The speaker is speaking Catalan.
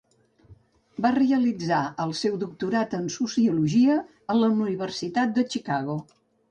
Va realitzar el seu doctorat en sociologia en la Universitat de Chicago.